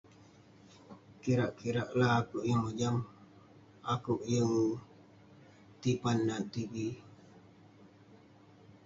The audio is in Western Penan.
Kirak-kirak lah akuek yeng mojam akuek yeng tipan nat tv